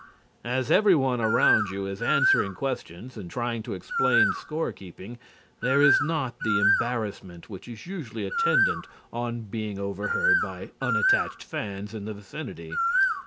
As everyone around you is answering questions and trying to explain score keeping, there is not the embarrassment which is usually attendant on being overheard by unattached fans in the vicinity.